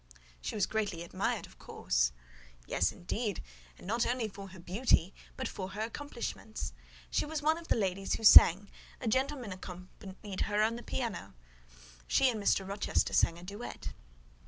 "She was greatly admired, of course?" "Yes, indeed: and not only for her beauty, but for her accomplishments. She was one of the ladies who sang: a gentleman accompanied her on the piano. She and Mr. Rochester sang a duet."